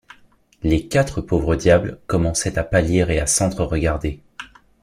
Les quatre pauvres diables commençaient à pâlir et à s’entre-regarder.